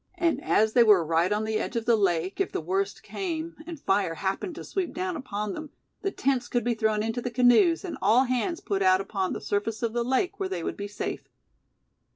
And as they were right on the edge of the lake, if the worst came, and fire happened to sweep down upon them, the tents could be thrown into the canoes, and all hands put out upon the surface of the lake where they would be safe.